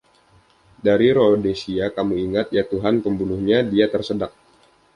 "Dari Rhodesia, kamu ingat." "Ya Tuhan, pembunuhnya!" dia tersedak.